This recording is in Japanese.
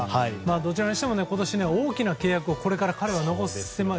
どちらにしても大きな契約をこれから彼は残してます。